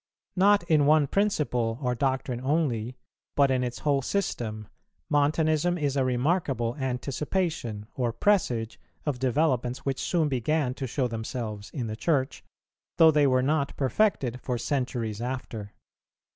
Not in one principle or doctrine only, but in its whole system, Montanism is a remarkable anticipation or presage of developments which soon began to show themselves in the Church, though they were not perfected for centuries after.